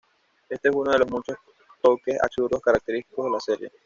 Este es uno de los muchos toques absurdos característicos de la serie.